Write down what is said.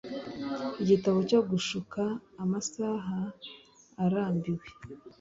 Igitabo cyo gushuka amasaha arambiwe